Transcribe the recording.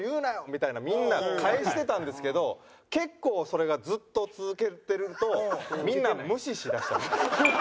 みたいなみんな返してたんですけど結構それがずっと続けてるとみんな無視しだした。